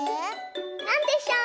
なんでしょう？